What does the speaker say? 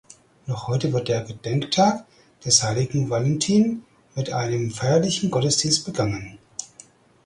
Noch heute wird der Gedenktag des heiligen Valentin mit einem feierlichen Gottesdienst begangen.